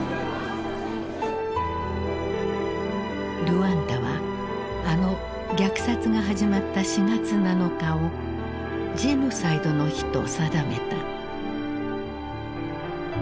ルワンダはあの虐殺が始まった４月７日を「ジェノサイドの日」と定めた。